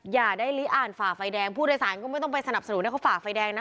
อย่าได้ลิอ่านฝ่าไฟแดงผู้โดยสารก็ไม่ต้องไปสนับสนุนให้เขาฝ่าไฟแดงนะ